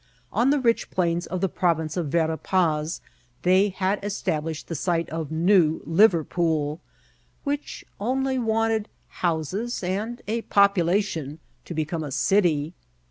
On the rich plains of the province of Vera Paz they had established the site of New Liverpool, which only wanted houses and a pop ulation to become a city.